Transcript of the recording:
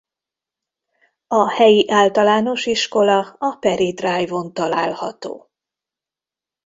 A helyi általános iskola a Perry Drive-on található.